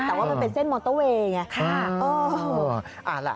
แต่ว่ามันเป็นเส้นมอเตอร์เวย์ไง